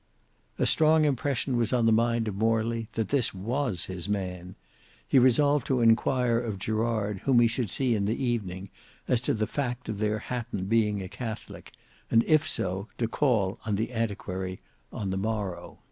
A strong impression was on the mind of Morley that this was his man: he resolved to inquire of Gerard, whom he should see in the evening, as to the fact of their Hatton being a Catholic, and if so, to call on the antiquary on the morrow.